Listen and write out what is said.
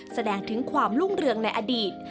แสดงถึงความรุ่งเรืองในอดีต